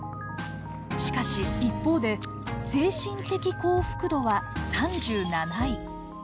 しかし一方で精神的幸福度は３７位。